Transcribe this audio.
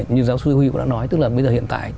như giáo sư huy cũng đã nói tức là bây giờ hiện tại